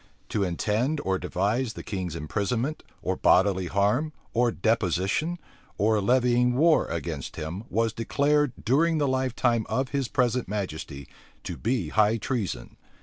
To intend or devise the king's imprisonment, or bodily harm, or deposition, or levying war against him, was declared, during the lifetime of his present majesty, to be high treason.